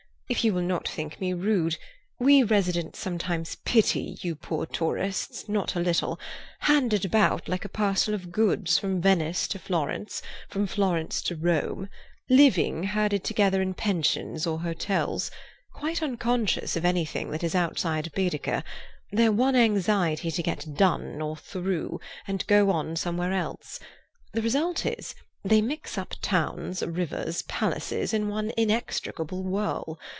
If you will not think me rude, we residents sometimes pity you poor tourists not a little—handed about like a parcel of goods from Venice to Florence, from Florence to Rome, living herded together in pensions or hotels, quite unconscious of anything that is outside Baedeker, their one anxiety to get 'done' or 'through' and go on somewhere else. The result is, they mix up towns, rivers, palaces in one inextricable whirl.